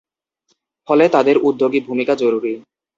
ফলে তাদের উদ্যোগী ভূমিকা জরুরি।